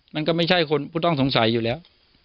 มันก็ไม่ใช่คนผู้ต้องสงสัยอยู่แล้ว